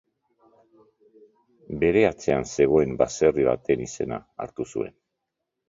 Bere atzean zegoen baserri baten izena hartu zuen.